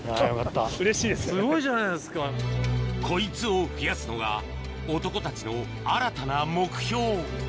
こいつを増やすのが男たちの新たな目標